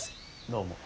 どうも。